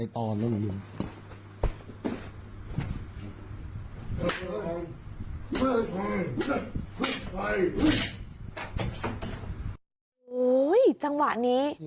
โหวจังหวะนี้